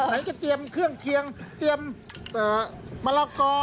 ไหนจะเตรียมเครื่องเคียงเตรียมมะละกอ